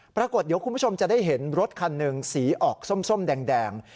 ปรากฏเดี๋ยวคุณผู้ชมจะได้เห็นรถคันหนึ่งสีออกส้มแดง